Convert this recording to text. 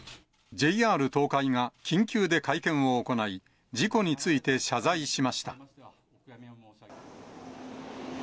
ＪＲ東海が緊急で会見を行い、事故について謝罪しました。